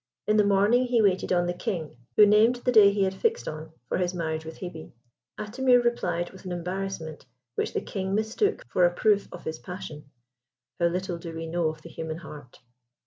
In the morning he waited on the King, who named the day he had fixed on for his marriage with Hebe. Atimir replied with an embarrassment which the King mistook for a proof of his passion (how little do we know of the human heart!)